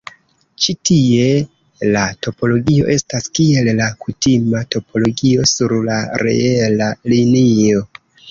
Ĉi tie, la topologio estas kiel la kutima topologio sur la reela linio.